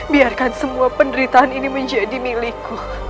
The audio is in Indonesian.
biarkan semua penderitaan ini menjadi milikku